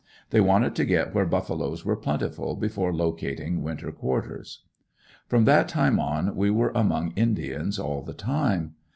They wanted to get where buffaloes were plentiful before locating winter quarters. From that time on we were among indians all the time.